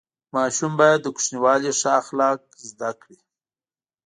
ماشوم باید له کوچنیوالي ښه اخلاق زده کړي.